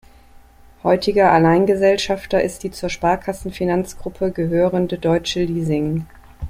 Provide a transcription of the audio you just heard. Heutiger Alleingesellschafter ist die zur Sparkassen-Finanzgruppe gehörende Deutsche Leasing.